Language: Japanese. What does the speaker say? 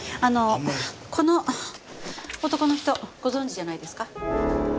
あのこの男の人ご存じじゃないですか？